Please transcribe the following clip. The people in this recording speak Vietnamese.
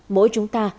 mỗi chúng ta